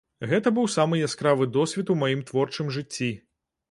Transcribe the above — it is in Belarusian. Гэта быў самы яскравы досвед у маім творчым жыцці.